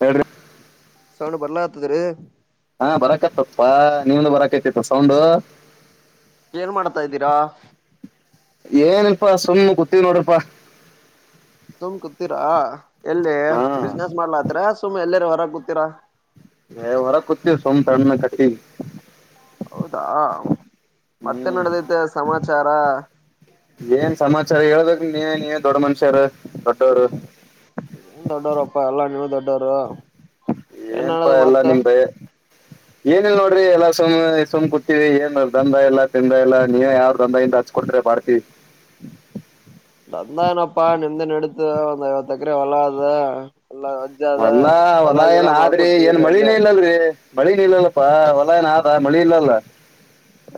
ಹೇಳ್ರ ಸೌಣ ಬರ್ಲಾತದರು ಹಾ ಬರಕತಪ್ಪ ನೀವ್ದ ಬರಕತಿತ್ತು ಸೌಂಡು ಏನ್ ಮಾಡ್ತಾ ಇದ್ದೀರಾ ಏನಪ್ಪಾ ಸುಮ್ನೆ ಕತ್ತೀ ನೋಡಪ್ಪಾ ಸುಮ್ ಕೂತ್ತೀರಾ ಎಲ್ಲಿ ಹಾ ಬಿಸ್ನೆಸ್ ಮಾಡ್ಲತ್ರ ಸುಮ್ನೆ ಎಲ್ಲರ ಹೊರ ಕೂತ್ತೀರಾ ನ ಹೊರ ಕೂತೀವಿ ಸೋಮ ತಣ್ಣ ಕಟ್ಟಿ ಹೌದಾ ಮತ್ತೆ ಹ್ಮ್ ನಡದೈತೆ ಸಮಾಚಾರ ಏನ್ ಸಮಾಚಾರ ಹೇಳ್ಬೇಕ ನೀಏನ್ಏನ್ ದೊಡ್ಡ ಮನುಷ್ಯರು ದೊಡ್ಡವರು ನ್ ದೊಡ್ಡವರಪ್ಪಾ ಎಲ್ಲಾ ನೀವು ದೊಡ್ಡವರು ಏನ್ ಹೇಳದು ಮತ್ತ ಏನಿಲ್ ನೋಡ್ರಿ ಎಲ್ಲ ಸು ಸುಮ್ ಕುೂತಿವಿ ಏನ್ ದಂಧ ಇಲ್ಲ ತಂದ ಇಲ್ಲ ನೀವ ಯಾವ್ ದಂಧ ಇಂದ ಹಚ್ಕೊಟ್ರಿ ಪಾರ್ಕಿ ನಂದಾನನಪ್ಪಾ ನಿಂತ ನೆತ ಒಂದು ಐವತ್ತು ಅಕ್ಕರೆ ವಲದ ಹೊಲ್ಲಾ ಹೊಲಾ ಏನ್ ಆದ್ರಿ ಏನ್ ಮಾಡ್ಕೊತಿದ್ರಿ ಅಲ್ಲೇ ಮಳಿನೇ ಇಲ್ಲದ್ರಿ ಮಳಿನ್ ಇಲ್ಲಲ್ಲಪ್ಪಾ ಹೊಲ ಏನ ಆದ ಮಳಿ ಇಲ್ಲಲ್ಲ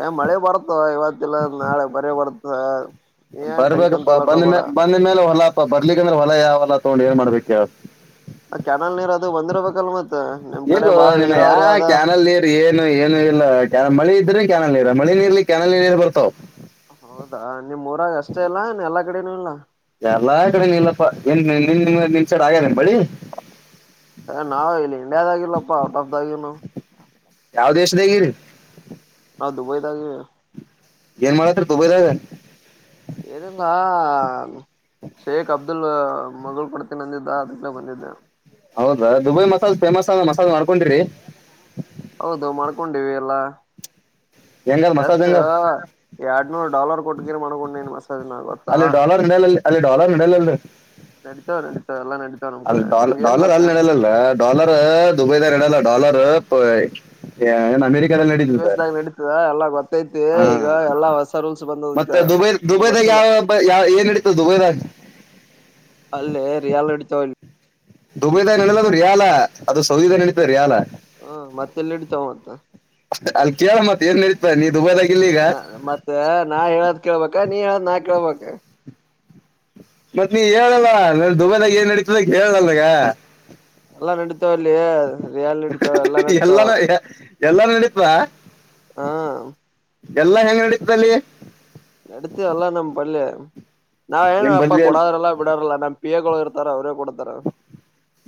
ಏ ಮಳೆ ಬರ್ತ ಇವತ್ತಲ್ಲ ನಾಳೆ ಬರಿ ಬರ್ತ್ತ ಬರ್ಬೇಕಪ್ಪ ಬಂದ ಮ ಬಂದ ಮೇಲೆ ಹೊಲಾ ಬರ್ಲಿಕ್ಕ ಅಂದ್ರೆ ಹೊಲ ಯಾವಲ್ಲ ತಗೊಂಡ ಏನ್ ಮಾಡ್ಬೇಕ ಯ ಆ ಕೆಯಾನಲ್ ನೀರ್ ಅದು ಬಂದಿರ್ಬೇಕಲ್ ಮತ್ತ ಇಲ್ ನೀನ್ನ ಯಾ ಕ್ಯಾನಲ್ ನೀರ್ ಏನು ಏನು ಇಲ್ಲ ಕ್ಯಾನಲ್ ಮಳಿ ಇದ್ರೆ ಕ್ಯಾನಲ್ ನೀರ ಮಳೆ ನೀರ್ಲ್ಲಿ ಕೆಯಾನಲ್ ನೀರು ಬರ್ತಾವ ಹೌದಾ ನಿಮೂರಾಗ ಅಷ್ಟೇ ಇಲ್ಲ ಎಲ್ಲಾ ಕಡನೂ ಇಲ್ಲ ಎಲ್ಲಾ ಕಡೆ ನಿಲ್ಲಪ್ಪನ್ ನಿ ನಿ ನಿನ್ ಚಡೆ ಆಗ್ಯ ನಿ ಬಳಿ ನಾವ್ ಇಲ್ಲಿ ಇಂಡಿಯಾದಾಗಿಲ್ಲಪ್ಪಾ ಔಟ್ ಆಫ್ ದಾಗಿವ್ ನಾವ್ ಯಾವ ದೇಶದಗೈದಿ ಹಾ ದುಬೈದಾಗ ಏನ್ ಮಾಡತೀರಿ ದುಬೈದಾಗ ಏನಿಲ್ಲಾ ಶೇಕ್ ಅಬ್ದುಲ್ ಮಗಳು ಕೋಡ್ತಿನಿ ಅಂದಿದ್ದ ಅದಕ್ಕ ಬಂದಿದ್ದಾ ಹೌದಾ ದುಬೈ ಮಸಾಜ್ ಫೇಮಸ್ ಮಸಾಜ್ ಮಾಡ್ಕೊಂಡಿರಿ ಹೌದು ಮಾಡ್ಕೊಂಡೀವಿ ಎಲ್ಲಾ ಹೆಂಗದ ಮಸಾಜ್ ಎಷ್ಟ ಹೆಂಗ ಎರಡ್ನೂರ ಡಾಲರ್ ಕೊಟ್ಟಗಿರ್ ಮಾಡ್ಕೊಂಡ ನೀನ್ ಮಸಾಜ್ ನ ಗೊತ್ತಾ ಅಲ್ಲಿ ಡಾಲರ್ ನಡೆಯಲ್ಲ ಅಲ್ಲಿ ಡಾಲರ್ ನಡಿಯಲ ಅಲ್ಲಿ ನಡೀತಾವ ನಡೀತಾವ ಎಲ್ಲಾ ನಡೀತಾವ ನಮ್ ಅ ಕಡೆ ನಿಮ್ಗ ಏನ್ ಡಾಲರ್ ಗೊತ್ತಾ ಅಲ್ಲಿ ನಡಲಲ್ಲ ಡಾಲರ್ ದುಬೈದ ನಡಯಲ್ಲ ಡಾ ಡಾಲರ್ ಏನ್ ಅಮೇರಿಕಾದಲ್ಲಿ ಯು ನಡೀತದ ಎಸ್ ದಾಗ ನಡೀತದ ಎಲ್ಲಾ ಗೊತ್ತೈತಿ ಹಾ ಈಗ ಎಲ್ಲಾ ಹೊಸ ರೂಲ್ಸ್ ಬಂದದ ಮತ್ತೆ ದುಬೈ ನಿಮ್ಗ್ ದುಬೈದಾಗ ಗೊತ್ತಿಲ್ಲ ಯಾವ ಯಾವ ಏನ್ ನಡೀತದ ದುಬೈದಾಗ ಹ ಅಲ್ಲೇ ರಿಯಲ್ ಅಡಿತಾವ ಇ ದುಬೈದಾಗ ನಡೆಯೋದು ರಿಯಾಲ ಅದು ಸೌಧೆ ನಡೀತ ರೀ ಅಲ್ಲ ಹ ಮತ್ತೆಲ್ಲ ಇಡತಾವ ಮತ್ತ ಅ ಅಲ್ಲಿ ಕೇಳೋ ಮತ್ ಏನ್ ನಡೀತ ನೀ ದುಬೈದಾಗ ಇಲ್ಲಿ ಈಗ ಮತ್ತೆ ನಾ ಹೇಳೋದ ಕೇಳಬೇಕ ನೀ ಹೇಳದ್ ನಾ ಕೇಳಬೇಕ ಮತ್ತ ನೀ ಹೇಳಲ್ಲ ನೀ ದುಬೈದಾಗ ಏನ್ ನಡೀತದ ಹೇಳಲ್ ಈಗ ಎಲ್ಲಾ ನಡಿತದ ಅಲ್ಲಿಯೇ ರಿಯಲ್ ನಡತ ಎಲ್ಲಾ ನಡಿತಾವ ಎಲ್ಲಾನು ಎಲ್ಲಾ ನಡಿತದ ಹಾ ಎಲ್ಲಾ ಹೆಂಗ್ ನಡೀತಲ್ಲಿ ನಡತೀ ಅಲ್ಲ ನಮ್ಮ್ ಬಲ್ಯ ನಾವ ಏನ ನಿಮ್ ಅಪ್ಪ ಬಲ್ಲಿ ಅಲ್- ಕೊಡವರಲ್ಲಾ ಬಿಡಾವರಲ್ಲಾ ನಮ್ಮ ಪಿಯಗಳು ಇರ್ತಾರ ಅವ್ರೇ ಕೊಡ್ತಾರ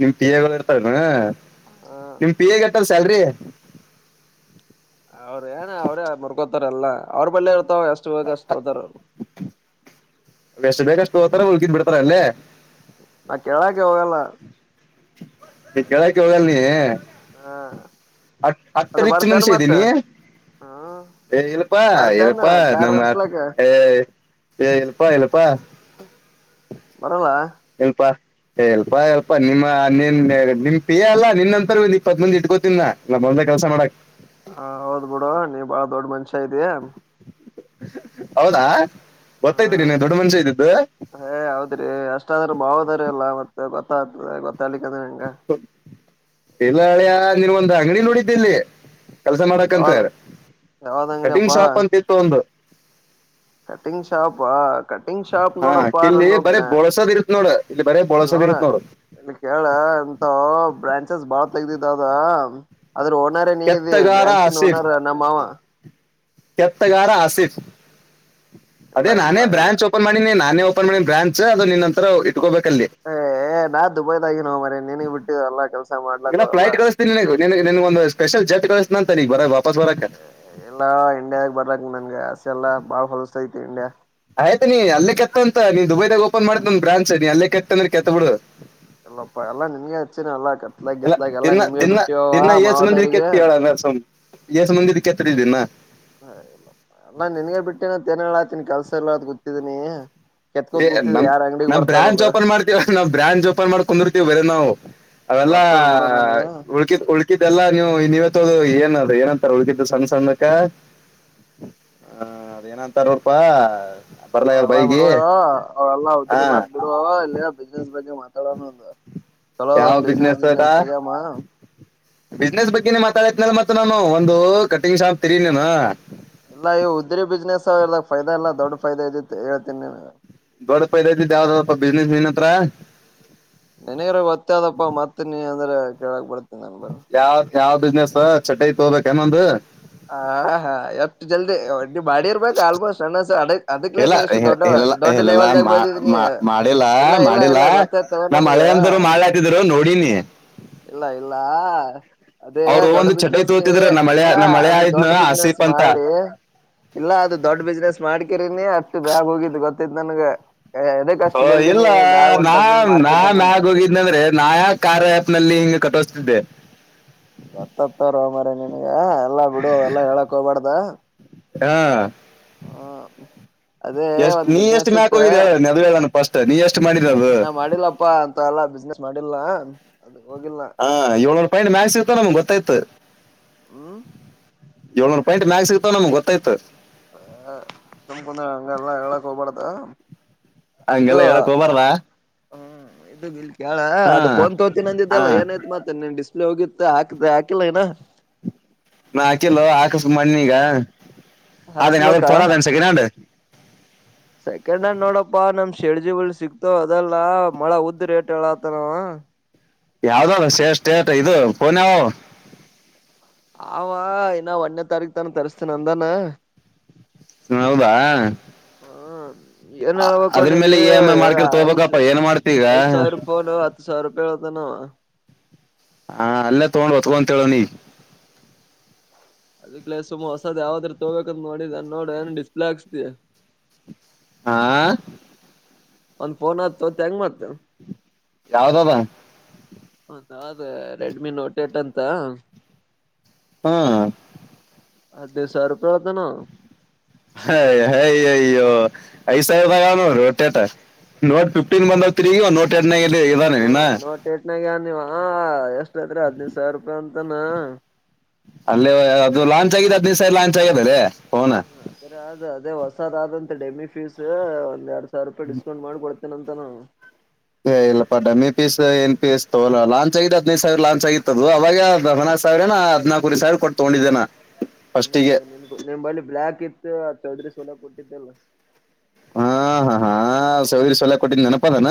ನಿಮ್ ಪಿ ಎ ಇರ್ತನ್ ಹ ನಿಮ್ ಪಿ ಎ ಗೆಟ್ಟ ಅಲ್ಲಿ ಸ್ಯಾಲ್ರಿ ಅವ್ರ ಏನ ಅವ್ರೇ ಮರ್ಕೋತಾರ ಎಲ್ಲಾ ಅವ್ರ ಬಲ್ಲೆ ಇರ್ತಾವ ಎಷ್ಟು ಬೆಕ ಅಷ್ಟ ತೋತಾರ ಅವ್ರು ಎಷ್ಟ್ ಬೇಕಷ್ಟು ತೋತಾರ ಉಳ್ಕಿದ್ ಬಿಡ್ತಾರ ಅಲ್ಲೇ ನಾ ಕೆಳಕ್ಕೆ ಹವೆಲ್ಲಾ ಈ ಕೆಳಕ್ಕ ಹೋಗಲ್ ನೀ ಹಾ ಹ ಹತ್ತು ರೀಚ್ಚ ಮನುಷ್ಯ ಇದ್ದೀನಿ ಹ್ಮ ಏ ಇಲ್ಲಪ್ಪಾ ಬರ್ತೇನ್ ಇಲ್ಲಪ್ಪಾ ಕಾರ್ ನಮ್ ನಡ್ಸ್ಲಕ್ಕ ಏ ಏ ಇಲ್ಲಪ್ಪಾ ಇಲ್ಲಪ್ಪಾ ಬರಲ್ಲಾ ಇಲ್ಪಾ ಇಲ್ಪಾ ನಿಮ್ಮ ನಿನ್ ನಿಮ್ ಪಿಯಾ ಅಲ್ಲಾ ನಿನ್ ಅಂತರ ಇಪ್ಪತ್ ಮಂದಿ ಇಟ್ಕೊತಿನಾ ಕೆಲಸಾ ಮಾಡಕ್ ಹ ಹೌದ್ಬಿಡು ನೀ ಬಾಳ ದೊಡ್ಡ ಮನುಷ್ಯಾ ಇದಿ ಹೌದಾ ಹಾ ಗೊತ್ತೈತಿ ನೀನ್ ನಿಮ್ಮ ದೊಡ್ಡ ಮನುಷ್ಯ ಇದ್ದಿದ್ದು ಏ ಹೌದ್ರಿ ಎಷ್ಟಾದ್ರೂ ಭಾವದ್ರೆಎಲ್ಲ ಮತ್ತೆ ಗೊತ್ತಾಗತದ ಬಿಡ ಗೊತ್ತ್ಲಿಕ್ಕದರ ಹೆಂಗ ಇಲ್ಲ ಅಳಿಯ ನಿನಗ ಒಂದು ಅಂಗಡಿ ನೋಡಿದ್ದೆ ಇಲ್ಲಿ ಕೆಲಸ ಮಾಡಕತ್ ಯಾವ್ದ್ ಯಾವ್ದ್ ಕಟಿಂಗ್ ಶಾಪ್ ಅಂತಿತ್ತು ಒಂದು ಕಟ್ಟಿಂಗ್ ಶಾಪ್ ಕಟ್ಟಿಂಗ್ ಹಾ ಶಾಪ್ನೋಡ ಪ ನ ಇಲ್ಲಿ ನೋಪ ಬರೇ ಬೋಳ್ಸೋದ್ ಇರುತ್ ನೋಡು ಇಲ್ಲಿ ಬರೇ ಬೋಳ್ಸೋದ್ ಇನ್ನೋಡ ಇರುತ್ ನೋಡು ಇಲ್ಲಿ ಕೇಳ ಎಂತ ಬ್ರಾಂಚಸ್ ಬಾಳ ತಗ್ದಿದ್ದ ಅದ್ರ ಓನರ್ ನೀ ಇದ ಕೆತ್ತಗಾರ ಬ್ರಾಂಚನ್ ಆಸೀಫ್ ಓನರ್ ನಮ್ಮ ಮಾವ ಕೆತ್ತಗಾರ ಆಸಿಫ್ ಇಲ್ಲ ಅದೇ ಇಲ್ಲ ನಾನೇ ಇಲ್ಲ ಬ್ರಾಂಚ್ ಓಪನ್ ಮಾಡಿನಿ ನಾನೇ ಓಪನ್ ಮಾಡಿ ಬ್ರಾಂಚ್ ಅದು ನಿನ್ನಂತರ ಇಟ್ಕೋಬೇಕಲ್ಲಿ ಏ ನಾನ್ ದುಬೈದಾಗಿ ಯಾವ ಮಾರಾಯ ನೀನಗ್ ಬಿಟ್ಟು ಎಲ್ಲಾ ಕೆಲ್ಸ ಇಲ್ಲ ಮಾಡ್ಲಕ್ಕ ಎಲ್ಲ ಫ್ಲೈಟ್ ಕಳ್ತನಿಗಗೆನ್ ಒಂದು ಸ್ಪೆಲ್ ಜಟ್ ಕಳ್ತನ ಅಂತ ಬರಬಾ ವಾಪಸ್ ಬರಕ ಎಲ್ಲಾ ಇಂಡಿಯಾಗ ಬರ್ಲಕ್ ನನ್ಗೆ ಆಸೆ ಎಲ್ಲಾ ಬಾಳ್ ಹೊಲಸತೈತಿ ಇಂಡಿಯಾ ಆಯ್ತು ನೀ ಅಲ್ಲ ಕೆತ್ತಂತ ನೀ ದುಬೈದಾಗ ಓಪನ್ ಮಾಡಿದ್ ಒನ್ ಬ್ರಾಂಚ್ ನೀ ಅಲ್ಲ ಕೆತ್ತಂದ್ರೆ ಕೆತ್ತ ಬಿಡು ಎಲ್ಲಪ್ಪ ಎಲ್ಲಾ ನಿಮ್ಗೆ ಹಚ್ಚಿನ ಅಲ್ಲ ಕತ್ಲಗ್ ಇಲ್ಲ ಕಿತ್ಲಾಗ ಎಲ್ಲಾ ದಿನ ನಿಮ್ಗೆ ದಿನ ಬಿಟ್ಟಿವವ ಮಾವದವರಿಗೆ ಎಏಸ ಮುಂದಿದಕ್ಕೆತ್ತ ಇದ್ದೀನ ಹಲ್ಲ ಅಲ್ಲಾ ನಿನ್ಗ ಬಿಟ್ಟೇನ ಆತೀನಿ ಕೆಲ್ಸ ಎಲ್ಲ ಅ ಗೊತ್ತಿದೀನಿ ಕೆತ್ಕೋತ್ ಏ ಕೂತಿದೆ ನಮ್ ಯಾರ್ ಅಂಗಡಿಗ್ ನಾವ್ ಬ್ರಾಂಚ್ ಬರ್ತಾರೋದ ಓಪನ್ ಮಾಡ್ತೀವ ನಾವ್ ಬ್ರಾಂಚ್ ಓಪನ್ ಮಾಡ್ಕೊಂಡಿರ್ತೀವ ಬೇರೆ ನಾವು ಅವೆಲ್ಲಾ ಬರ್ತದ್ ಬಿಡ ನನ್ಗ ಉಳ್ಕಿದ್ ಉಳ್ಕಿದ್ದೆಲ್ಲಾ ನೀವು ಇನ್ವತ್ತ ಏನ ಏನಂತಾರ ಉುಡುಕಿದ್ದ ಸಣ್ಣ ಸಣ್ಣಕ್ಕ ಹ ಅದ ಏನಂತಾರ ಹ್ರಪಾ ಬರ್ಲಲ್ಲ ಬೈಗಿ ಅವಲ್ಲಾ ಹ ಹದ್ರ ಮಾತ್ ಬಿಡುವ ಇಲ್ಲ ಬಿಸ್ನೆಸ್ ಬಗ್ಗೆ ಮಾತಾಡೋಣ ಅಂದ ಯಾವ ಬಿಸ್ನೆಸ್ ಅದಾ ಬಿಸ್ನೆಸ್ ಬಗ್ಗೆ ಮಾತಾಡ ಲೆ ಮತ್ತ ನಾನು ಒಂದು ಕಟಿಂಗ್ ಶಾಪ್ ತೆಗಿ ನೀನು ಇಲ್ಲ ಇವು ಉದ್ರಿ ಬಿಸ್ನೆಸ್ ಎಲ್ಲದ ಫೈದಾ ಇಲ್ಲ ದೊಡ್ ಫೈದಾ ಇದ ಹೇಳ್ತೀನಿ ನೀನಗ ಬ ಪ ದ ಬ ಬಿಜನೆಸ್ ನೀನ ಹತ್ರ ನಿನ್ಗಾರ ಗೋತ್ತ ಅದಪ್ಪಾ ಮತ್ತನಿ ಅಂದ್ರೆ ಕೇಳಕ್ ಬರ್ತನಿ ನನ್ ಬಲೀ ಯಾವ್ ಯಾವ್ ಬಿಸ್ನೆಸ್ ಚಟ್ಟತೋಬೇಕುನ್ನೊಂದು ಹ ಹಾ ಎಷ್ಟು ಜಲ್ದಿ ಒಡ್ ಬಾಡಿ ಇರ್ಬೇಕಕ್ ಆಲ್ಮೋಸ್ಟ್ ಅಣ್ಣಸ ಅಡಕ್ ಅದಕ್ಲೇ ನೀ ಇಷ್ಟು ದೊಡ್ಡ ದೊಡ್ಡ ಲ್ಲಾ ಲೆವೆಲ್ದಾಗ ಬೆಳೆದಿದೀನಿ ಮಾಡಿಲ್ಲಾ ಇಲ್ಲ ಇಲ್ಲ ಮಾಡಿಲ್ಲಾ ಇಲ್ಲ ಗೊತ್ತಾಯ್ತವ ನಾ ನನ್ಗ ಮಳೆ ಅಂತರು ಮಾಡೆ ಹತಿದ್ರು ನೋಡಿ ನೀ ಇಲ್ಲ ಇಲ್ಲ ಅದೇ ಅವ್ರು ದೊಡ್ ಒಂದು ಚಟೈ ಬಿಸ್ನೆಸ್ ನೀ ತೋತಿದ್ರ ನಮ್ಮ ಮಳೆ ಎಲ್ಲ ನಮ್ಮ ಮಳೆ ಆಯ್ನ ದೊಡ್ಡ ಬಿಸ್ನೆಸ್ ಆಸೀಫ್ ಅಂತ ಮಾಡಿ ಇಲ್ಲ ಅದು ದೊಡ್ ಬಿಸ್ನೆಸ್ ಮಾಡ್ಕರನಿ ಅಷ್ಟು ಬ್ಯಾಗ ಹೋಗಿದ್ದು ಇವತ್ತದು ನನ್ಗೆ ಹ ಇಲ್ಲ ನಾ ನಿನ್ ನಾಾನನ್ ಅಂತ ಆಗ ಹೋಗಿದನಂದ್ರೆ ನಾ ಯಾಕ ಕಾರ್ಯಾಯಪ್ನಲ್ಲಿ ಹಿಂಗ ಕಟ್ಟೋಸ್ತ ಬ ಗೊತ್ತಾತರೋ ಮಾರಾಯ ನಿನಗ ಎಲ್ಲಾ ಬಿಡು ಎಲ್ಲಾ ಹೇಳಕ್ ಹೋಗ್ಬಾರ್ದ ಹಾ ಹ್ಮ ಅದೇ ಎಷ್ಟ್ ಒಂದ್ ನೀ ಎಷ್ಟ್ ಬಿಸ್ನೆೆಸ್ ಮ್ಯಾಕ್ ಇತ್ತು ಹೋಗಿದ್ ಹೇಳ ಅದು ಹೇಳಣ ಫಸ್ಟ್ ನೀ ಎಷ್ಟ್ ಮಾಡಿದ ಅದು ನಾ ಮಾಡಿಲ್ಲಪ್ಪಾ ಅಂತ ಎಲ್ಲಾ ಬಿಸ್ನೆಸ್ ಮಾಡಿಲ್ಲ ಅ ಹಾ ಏಳ್ನೂರ ಪಾಯಂಟ್ ಮ್ಯಾಕ್ ಸಿಗ್ತ ನಮ್ಗ್ ಗೊತ್ತಾಯ್ತ್ತು ಹ್ಮ ಏಳ್ನೂ ಪಾಯಿಂಟ್ ಮ್ಯಾ ಸಿಗೋ ನಮ್ ಗೊತ್ತಾಯ್ ಹ ಸಪಂದ ಅಂಗ ಎಲ್ಲ ಎಲ್ಲ ಕೊಪಾಡದ ಹಂಗೆಲ್ಲ ಹೇಳಕ್ ಹೋಬಾರ್ದ ಹ್ಮ್ ಇದ್ದ ಇಲ್ ಕೇಳಾ ಅದು ಫೋನ್ ತಾಹೋತಿನ್ ಹಾ ಅಂದಿದ್ದಲ್ಲ ಏನೈತ್ ಮಾತೇನೆ ನಿನ್ ಡಿಸ್ ಹೋಗಿತ್ತ ಹಾಕ್ದೆ ಹಾಕಿಲ್ಲಏನಾ ನ ಅಕಿಲೊ ಹಾಕುಸ್ ಮಣ್ಣಿಗ ಅದೆನ್ ಯಾವ್ ಹಾಕ್ಸ್ಬೇಕಾ ಪೋನದು ಸೆಕೆಂಡ್ ಹಂಡ್ ಅನಿಂಟೆಲಿಜಬಲ್ ಸೆಕೆಂಡ್ ಹಂಡ್ ನೋಡಪ್ಪಾ ನಮ್ ಶೆಡ್ಜಿಗಳ್ ಸಿಕ್ತೋ ಅದೆಲ್ಲಾ ಮಳ ಉದ್ದ ರೇಟ್ ಹೇಳತ ನವ ಯಾವ್ದಲ್ಲ ಶೇ ಷ್ಟೇಟ್ ಇದು ಪೋನ್ ಯವವು ಆವ ಇನ್ನ ಒಂದನೇ ತಾರೀಖ ತಾನ ತರಿಸ್ತೇನ ಅಂದಾನ ಹು ಹೌದಾ ಹ್ಮ್ ಏನ್ ಹೇಳ್ಬೇಕು ಅದ್ರ ಮೇಲೆ ಇ ಎಮ್ ಐ ಮಾಡ್ಕಿರ್ ತಗೋಬೇಕಪ್ಪಾ ಏನ್ ಮಾಡ್ ಐದು ಸಾವಿರ ಫೋನು ಹತ್ತು ಸಾವಿರ ರೂಪಾಯಿ ಹೇಳ್ತನವ ಹಾ ಅಲ್ಲೇ ತಗೊಂಡ್ ತಗೋಂತಹೇಳವ್ ನೀ ಅದಲ ಸುಮ ಹೊಸದ್ ಯಾವಾದ್ರೂ ತಗೋಬೇಕಂತ ನೋದ್ದ ನೋಡ ಏನ ಡಿಸ್ಪ್ ಆಗ್ಸ್ ಆ ಒಂದ್ ಫೋನ್ ಆತತ್ ಹೆಂಗ್ ಮಾಡ್ತ ಯಾವ್ದದ ಅಂತ ಅದ ರೆಡ್ಮಿ ನೋಟ್ ಏಟ್ ಅಂತ ಹ್ಮ ಅಧೆ ಸಾವ ರೂಪಿ ಒದಾನ ಹ ಹಯ ಅಯ್ಯೋ ಯಸಹದಾಗ ನೋಟೇಟ ನೋಟ್ ಫಿಫ್ಟೀನ್ ಬಂದ್ತ್ರಿಗ ನೋಟ್ ಎ ಹ್ಮ ನೋಡಿ ಎಟ್ನಾಗ ನೀವ ಎಷ್ಟ ಐತ್ರಿ ಹದನೈದು ಸಾವಿರ ರೂಪಾಯಿ ಅಂತ ರಾನ ಅಲ್ಲೇ ಅದು ಲಾಂಚ್ ಆಗಿದೆ ಹದನೈದ ಸಾರಿ ಲಾಂಚ್ ಆಗ್ಯದ ಅದೇ ಹ ಅದ್ರ ಅದು ಅದೇ ಹೊಸಾದ ಆದಂತ ಡೆಮಿ ಫೀಸ್ ಒಂದ್ ಎರಡ್ ಸಾವಿರ ರೂಪಾಯಿ ಡಿಸಕೌಂಟ್ ಮಾಡಿ ಕೊಡ್ತ ನಂತನ ಏ ಇಲ್ಲಪ್ಪಾ ಡಮ್ಮಿ ಪೀಸ್ ಏನ್ ಪೀಸ್ ತೋ ಲಾಂಚ್ ಆಗಿದ್ದ ಹದಿನೈದು ಸಾವಿರ ಲಾಂಚ್ ಆಗಿತ್ತದದು ಅವಾಗ ಸಾವಿರನಾ ಹದ್ಲ್ಕೂ ವರಿ ಸಾವಿರ ಕೊಟ್ಟ್ ತಗೊಂಡಿದ್ದೇನಾ ಹ್ಮ್ ಅದ ನಿಮ ನಿಮ ಬಳಿ ಬ್ಲ್ಯಾಕ್ ಇತ್ತು ಚೌದರಿ ಸೋಲ ಕೊಟ್ಟಿದ್ದಲ್ಲ ಹಾ ಹಾ ಹಾ ಸದಿ ಸಲ ಕೊಟ್ಟಿದ ನೆನಪ ಅಾನ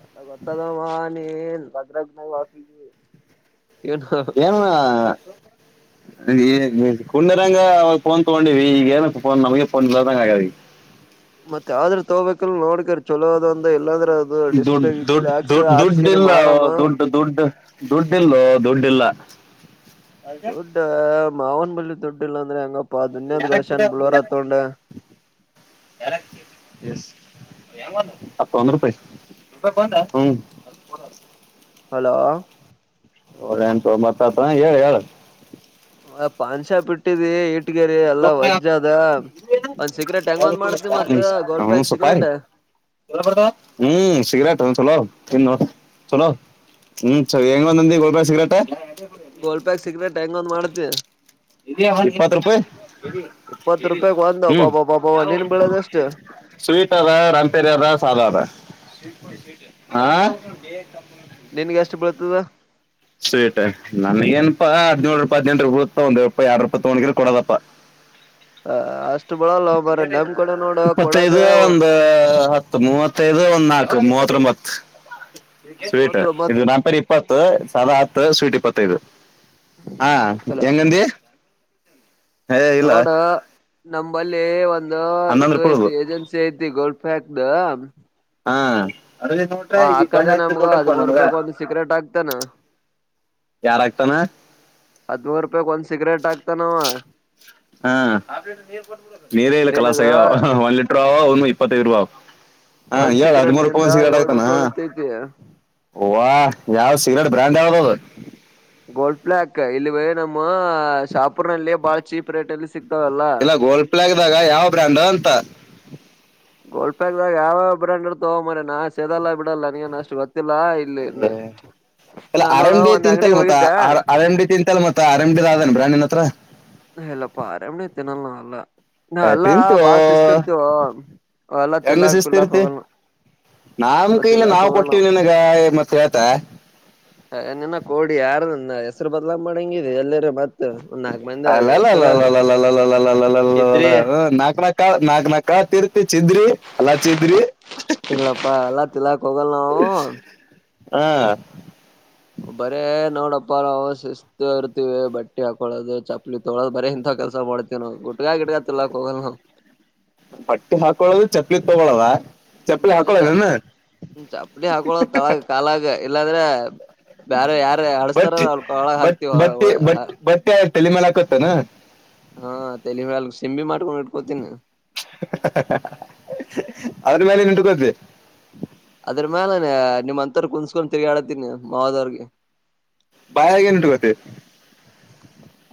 ಎಲ್ಲ ಗೊತ್ತವಾ ನೀನ್ ಭದ್ರಗ್ನ ವಾಸ ಏನ್ವಾ ಕುಂಡರಂಗ ಅವಾಗ ಫೋನ್ ತೊಗೊಂಡಿವವಿ ಈಗ ಏನ ಫೋನ್ ನಮಗೆ ಫೋನ್ ಇಲ್ಲದಂಗ ಆಗೇತಿ ಹ ಮತ್ತ ಆದ್ರ ತಗೋಬೇಕಲ್ ನೋಡ್ಕರಿ ಚೊಲೋದ ಒಂದ ಇಲ್ಲಾಂದ್ರೆ ಅದು ದುಡ್ ಡಿಸ್ಪ್ಲೇ ದುಡ್ ಗಿಸ್ಪ್ಲೇ ಹಾಕ್ಸ ದುಡ್ ಹಾಕ್ಸ್ಕೇನೆ ಇಲ್ಲ ಮಾರಮ್ಮ ದುಡ್ಡು ದುಡ್ಡು ದುಡ್ಡಿಲೋ ದುಡ್ಡಿಲ್ಲ ದುಡ್ಡ ಮಾವನ ಬಳ್ಳಿ ದುಡ್ಡ ಇಲ್ಲಾ ಅಂದ್ರೆ ಹೆಂಗಪ್ಪ ಅದುನ್ಯದ ಕಳಶಾನ್ ಬಳ್ಳೋರಾತ್ತೊಂಡ ಹ ಒಂದ ರೂಪಾಯಿ ಹ ಹಲೋ ಎಂತ ಮತ್ತತ ಹೇಳಿ ಹೇಳ ಆ ಪಾನ್ ಶಾಪ್ ಇಟ್ಟಿದಿ ಇಟ್ಟಕೆದ ಎಲ್ಲಾ ವಜ್ಜ ಅದ ಒಂದ್ ಸೀಕ್ರೆಟ್ ಹೆಂಗ ಒಂದ್ ಮಾಡ್ತ ಮತ್ ಗೋಲ್ಪ್ಯಾಕ್ ಸೀಕ್ರೆಟ್ ಯಾವಾಗ ಬರ್ತಾವ ಹ್ಮ್ ಸಿಗರೇಟ್ ನಾ ಚಲೋವ ಇನ್ ನೋ ಚಲೋ ಹ್ಮ್ ಚಲ ಹೆಂಗ ಬಂದ ಗೋಲ್ಬ ಸಿಗ್ರೇಟ ಗೋಲ್ಪ್ಯಾಕ್ ಸಿಗ್ರೆಟ್ ಹೆಂಗ ಒಂದ್ ಮಾಡತಿ ಇಪ್ಪತ್ ರೂಪಾಯಿ ಇಪ್ಪತ್ ರೂಪಾಯಕ್ ಒಂದ್ ಹ್ಮ ಒಬ್ಬಬ್ಬಬ್ಬ ನಿನ್ ಬೀಳದ ಎಷ್ಟು [unintelligible] ಸ್ವೀಟ್ ರ ರಂಪೇರಿ ಅರ ಸಾದಾ ಅದ ಹ ನಿನ್ಗೆ ಅಷ್ಟು ಬೆಳ್ತದ ಸ್ವೀಟ್ ನನಗ ಏನಾ ಪಾ ಹದಿನೇಳು ರೂಪಾಯ ಹದಿನಂಟ ರೂಪಾಯಿ ಬೀಳುತ್ತ ಒಂದು ರೂಪಾಯಿರ ಎಡ ರೂಪಾಯಿ ತಗೊಂಡ ಕೊಡದಪ್ಪಾ ಹ ಅ ಅಷ್ಟು ಬೀಳಲ್ಲ ಮಾರಾಯ ನಮ್ ಕಡೆ ನೋಡ ಇಪ್ಪತ್ತೈದು ಕೊಡೋದೆ ಒಂದು ಹತ್ತ ಮೂವತ್ತೈದು ಒಂದ್ ನಾಲ್ಕು ಮೂವತ್ತೊಂಬತ್ ಸ್ವೀಟ್ ಇದು ಮೂವತ್ತೊಂಬತ್ ನನ್ಪರಿ ಇಪ್ಪತ್ತು ಹತ್ತು ಸದಾ ಹತ್ತು ಸ್ವೀಟ್ ಇಪ್ಪತ್ತೈದು ಹಾ ಅಲ್ಲ ಹೆಂಗಂದಿ ಏ ಇಲ್ಲ ನೋಡ ನಂಬಲ್ಲಿ ಒಂದು ಹನ್ನೊಂದು ಇದು ರೂಪಾಯಿ ಉಳ್ದು ಐತಿ ಏಜೆನ್ಸಿ ಐತಿ ಗೋಲ್ ಕ್ದ ಹಾ ಓ ಹಾಕದೆೇ ನಮ್ಗ ಹದಿಮೂರು ರೂಪಾಯಕ್ ಒಂದ್ ಸಿಗ್ರೇಟ್ ಹಾಕ್ತನಾ ಯಾರಾಗ್ತಾನ ಹದಮೂರು ರೂಪಾಯಕ್ ಒಂದ್ ಸಿಗರೇಟ್ ಹಾಕ್ತಾನವ್ ಗ ಹಾ ನೀರೇ ಇಲ್ಲ ನಿನಗ ಕಲಾಸಗ್ಯೋ ಒ ಲ ಒ ಇಪ್ಪತ್ತೈಐದು ರೂಪಯ ಹಾ ಒಂದ್ ಏಳ್ ಹದಿಮೂರು ರೂಪಾಯಿ ಸಿಕ್ರನಿಂದ ಒಂದ ಸಿಗ್ರೇಟ್ ಏಳ್ ಆಯತಾನ ರೂಪಾಯಿ ಉಳಿತೈತಿ ಓ ಯಾವ್ ಸಿಗ್ರಟ್ ಬ್ರ್ಯಾಂಡ್ ಯಾವ್ದದು ಗೋಲ್ಡ್ ಪ್ಲ್ಯಾಕ್ ಇಲ್ಲಿ ನಮ್ಮ ಶಾಪುರ್ ನಲ್ಲಿ ಬಾಳ ಚೀಪ್ ರೇಟ್ ಅಲ್ಲಿ ಸಿ ಇಲ್ಲ ಗೋಲ್ಪಲ್ಗ್ದಾಗ ಯಾವ ಬ್ರ್ಯಾಂಡ್ ಅಂತ ಗೋಲ್ಪ್ಯಾಕ್ದಾಗ ಯಾವ ಯಾವ ಬ್ರಾಂಡ್ರು ಇರತಾವ ಮಾರಾಯ ನಾ ಸೇದೆಲ್ಲ ಬಿಡಲ್ಲ ನನ್ಗನ್ ಅಷ್ಟು ಗೊ ಅಂದರೆ ಅಲ್ಲ ನಾನ್ ಆರ್ ನೋಡು ಎಮ್ ಡಿ ಒಂದ್ ಅಂಗಡಿಗೆ ತಿಂತಲ್ ಮತ್ತ ಹೋಗಿದ್ದೆ ಆರ್ ಎಮ್ ಡಿ ತಿಂತಲ್ ಮತ್ತ ಆರ್ ಎಮ್ ಡಿ ಅದೇನ ಬ್ರಾಂಡ್ ನಿನ್ ಹತ್ರ ಹಲ್ಲಪ್ಪ ಆರ್ ಎಮ್ ಡಿ ತಿನ್ನಲ್ಲ ನಾವ್ ಎಲ್ಲ ನಾ ಏ, ಎಲ್ಲಾ ತಿಂತು ಬಾಳ ಶಿಸ್ತಿ ಇರ್ತಿವ ಅವ ಎಲ್ಲಾ ತಿಲ್ಲಾಕ್ ಪಿಲ್ಲಕ ಹೋಗಲ ನನ್ ಕೈಲ ನಾವ್ ಕೊಟ್ಟಿವವಿನ್ಗ ಮತ್ ಹೇಳ್ತ ಏ ನಿನ್ನ ಕೋಡಿ ಯಾರ್ದನ ಹೆಸರು ಬದಲಾಮ್ ಮಾಡಂಗಿದ ಎಲ್ಲರ ಮತ್ ನಾಕ್ ಮಂದಿ ಹೆಸರ ಅದು ಅಲಲಲಲಲ ಸಿದ್ರಿ ಹ್ಮ್ ನಾಕ್ ನಾಕ್ ಕಾಳ ನಾಕ್ ನಾಕ್. ಕಾಳ್ ತಿರ್ತಿ ಚಿದ್ರಿ ಅಲ್ಲಾ ಚಿದ್ರಿ. ಇಲ್ಲಪ್ಪಾ ಎಲ್ಲಾ ತಿಲ್ಲಾಕ್ ಹೋಗಲ್ ನವು ಹಾ ಬರೇ ನೋಡಪ್ಪ ನಾವು ಶಿಸ್ತು ಇರ್ತೀವಿ ಬಟ್ಟೆ ಹಾಕೊಳದು ಚಪ್ಪಲಿ ತಗಳೋದು ಬರೆ ಇಂತ ಕೆಲ್ಸ ಮಾಡ್ತೀವಿ ನಾವು ಗುಟ್ಗ ಗಿಟ್ಕ ತಿಲ್ಲಕ್ ಹೋಗಲ್ ನಾವ್. ಬಟ್ಟಿ ಹಾಕೊಳದು ಚಪ್ಲಿ ತಗೊಳದ. ಚಪ್ಲಿ ಬರೇ ಚಪ್ ಹಾಕೊಳ್ಳೋದೇನ ಚಪ್ಲಿ ಹಾಕಳೋದ ತಳಗ ಕಾಲಾಗ ಇಲ್ಲಂದ್ರ ಬ್ಯಾರೆ ಯಾರೆ ಅಡಸ್ತಾರ ಬಟ್ ಅವರ್ ಕೊಳ್ಳಗ ಹಾಕ್ತಿವಿ ಒಳ ಒಳ ಹ್. ತಲಿಮ್ಯಲ್ ಹಾಕೋತೆನ್. ಹಾ ತೆಲಿ ಮ್ಯಾಲ ಸಿಂಬಿ ಮಾಡ್ಕೊಂಡ್ ಇಟ್ಕೋತಿನಿ. ಅದ್ರ ಮ್ಯಾಲ ಎನ್ ಇಟಕೋತಿ. ಅದರ್ ಮ್ಯಾಲ ನ್ಯಾ ನಿಮ್ ಹಂತೋರ್ ಕುನ್ಸ್ಕೊಂಡ್ ತಿರಗಾಡತಿನಿ ಮಾವದೇವ್ರಿಗಿ. ಬಾಯಗ್ ಎನ್ ಇಟಕೋತಿ.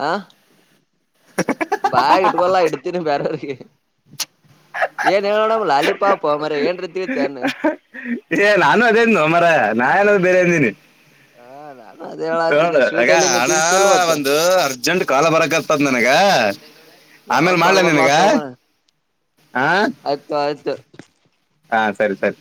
ಆ ಬಾಯಾಗ ಇಟ್ಕೊಲ್ಲಾ ಇಡ್ತೀನಿ ಬ್ಯಾರೆಅವರಿಗಿ. ಏನ್ ಹೇಳನೊಡಮಿ ಲಾಲಿ ಪಾಪೊ ಮಾರಾಯ ಏನ್ರ ತಿಳಿತೆನ್. ಏ ನಾನು ಅದೆ ಅಂದೊ ಮಾರಾಯ ನಾ ಎಲ್ ಬೇರೆ ಅಂದಿನಿ. ಹ ನಾನು ಅದೇ ಹೇಳಾತೀನಿ ನೋಡು ಸ್ವೀಟ್ ಅಗ ಎಲ್ಲಿ ನೀ ಅಣ ತಿನ್ಸ್ತಿಲ್ ಮತ್ತ ಒಂದು ಅರ್ಜೆಂಟ್ ಕಾಲ ಬರಕತದ ನನ್ ಗ ಆಮ್ಯಾಲ ಯಾವತ್ ಮಾಡ್ಲ ಕಾಲ್ ನಿನಗ ಬರ್ಲಾತವ ಹ. ಐತೊ ಹಾ ಸರಿ ಸರಿ